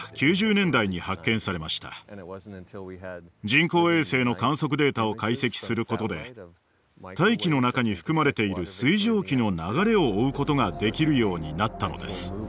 人工衛星の観測データを解析することで大気の中に含まれている水蒸気の流れを追うことができるようになったのです。